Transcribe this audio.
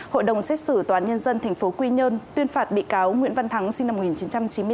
hội đồng xét xử tòa án nhân dân tp quy nhơn tuyên phạt bị cáo nguyễn văn thắng sinh năm một nghìn chín trăm chín mươi bốn